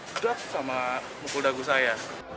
sudah sama mukul dagu saya